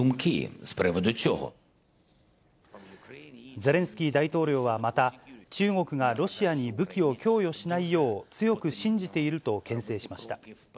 ゼレンスキー大統領はまた、中国がロシアに武器を供与しないよう、強く信じているとけん制しました。